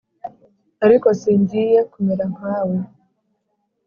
ariko singiye kumera nka we,